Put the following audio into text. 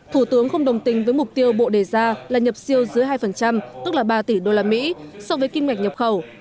thủ tướng không đồng tình với mục tiêu bộ đề ra là nhập siêu dưới hai tức là ba tỷ usd so với kim ngạch nhập khẩu